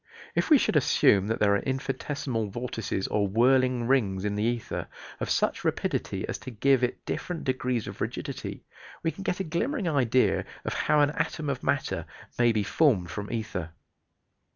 If we should assume that there are infinitesimal vortices or whirling rings in the ether, of such rapidity as to give it different degrees of rigidity, we can get a glimmering idea of how an atom of matter may be formed from ether.